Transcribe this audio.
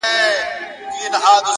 هره لاسته راوړنه هڅه غواړي.!